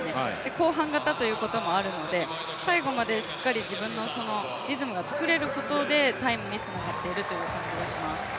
後半型ということもあるので、最後までしっかり自分のリズムが作れることでタイムにつながるということです。